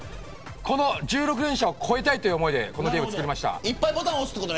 この１６連射を超えたいという思いでこのゲーム作りました。